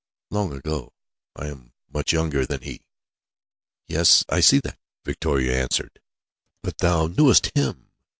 "Long ago. I am much younger than he." "Yes, I see that," Victoria answered. "But thou knewest him!